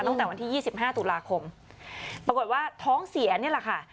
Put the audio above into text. ตั้งแต่วันที่๒๕ตุลาคมปรากฏว่าท้องเสียนี่แหละค่ะ